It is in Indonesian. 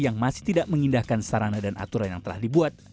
yang masih tidak mengindahkan sarana dan aturan yang telah dibuat